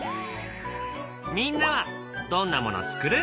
みんなはどんなものつくる？